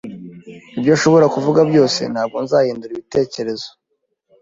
Ibyo ashobora kuvuga byose, ntabwo nzahindura ibitekerezo.